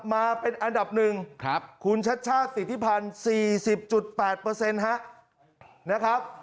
มาเป็นอันดับหนึ่งคุณชัชชาติสิทธิพันธ์๔๐๘นะครับ